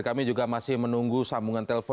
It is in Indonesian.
kami juga masih menunggu sambungan telepon